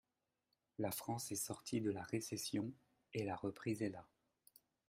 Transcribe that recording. La France est sortie de la récession, et la reprise est là